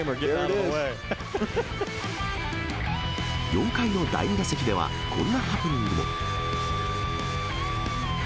４回の第２打席では、こんなハプニングも。